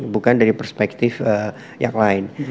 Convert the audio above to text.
bukan dari perspektif yang lain